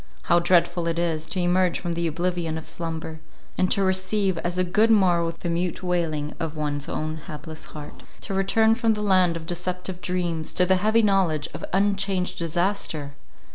How dreadful it is, to emerge from the oblivion of slumber, and to receive as a good morrow the mute wailing of one's own hapless heart —to return from the land of deceptive dreams, to the heavy knowledge of unchanged disaster!